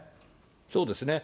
そうですね。